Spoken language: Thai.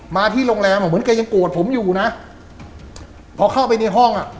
มาที่โรงแรมอ่ะเหมือนแกยังโกรธผมอยู่นะพอเข้าไปในห้องอ่ะ